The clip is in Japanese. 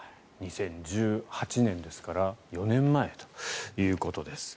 ２０１８年ですから４年前ということです。